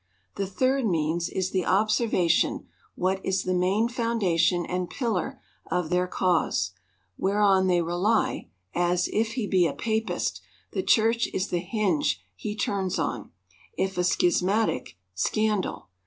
— The third means is the observation what is the main founda tion and pillar of their cause, whereon they rely ; as, if he be a papist, the church is the hinge he turns on ; if a schismatic, scandal.